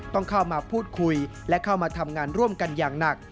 ต้องเข้ามาพูดคุยและเข้ามาทำงานร่วมกันอย่างหนัก